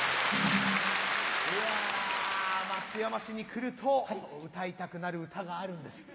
いや松山市に来ると歌いたくなる歌があるんです。